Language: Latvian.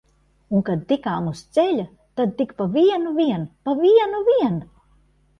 Un kad tikām uz ceļa, tad tik pa vienu vien, pa vienu vien!